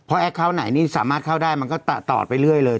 แอคเคาน์ไหนนี่สามารถเข้าได้มันก็ตอดไปเรื่อยเลย